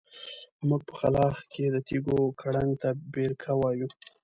موږ په کلاخ کلي کې د تيږو کړنګ ته بېرکه وايو.